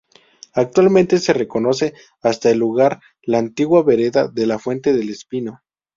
Actualmente se reconoce hasta el lugar, la antigua vereda de la Fuente del Espino.